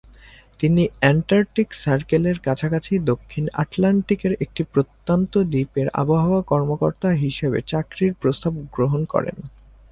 তিনি অ্যান্টার্কটিক সার্কেলের কাছাকাছি দক্ষিণ আটলান্টিকের একটি প্রত্যন্ত দ্বীপে আবহাওয়া কর্মকর্তা হিসাবে চাকরির প্রস্তাব গ্রহণ করেন।